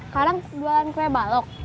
karang jualan kue balok